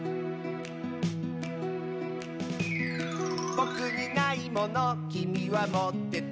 「ぼくにないものきみはもってて」